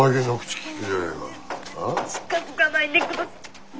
近づかないでください。